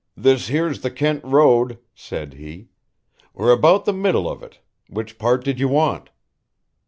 "This here's the Kent Road," said he. "We're about the middle of it, which part did you want?"